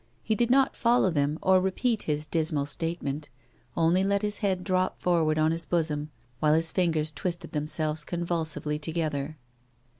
He did not follow them or repeat his dismal statement, only let his head drop forward on his bosom, while his fingers twisted themselves convulsively to gether.